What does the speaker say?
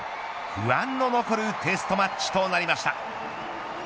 不安の残るテストマッチとなりました。